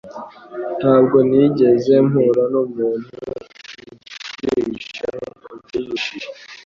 Ntabwo nigeze mpura numuntu unshimisha nkuko unshimishije.